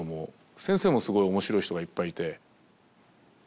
先生もすごい面白い人がいっぱいいて。